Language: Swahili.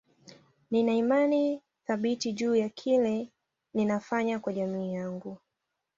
Nina imani thabiti juu ya kile ninafanya kwa jamii yangu